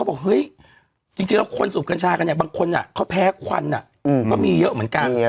มันก็มีแบบภาพของคนไปปลูกกัญชาบางคนแผลควันมีเยอะเหมือนกัน